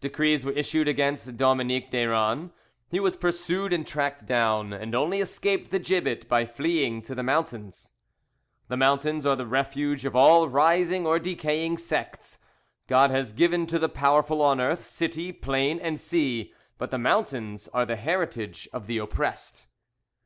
Decrees were issued against Dominique Deyron; he was pursued and tracked down, and only escaped the gibbet by fleeing to the mountains. The mountains are the refuge of all rising or decaying sects; God has given to the powerful on earth city, plain, and sea, but the mountains are the heritage of the oppressed.